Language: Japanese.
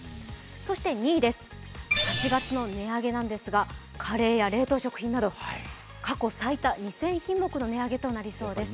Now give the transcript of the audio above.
そして２位、８月の値上げなんですがカレーや冷凍食品など過去最多２０００品目の値上げとなりそうです。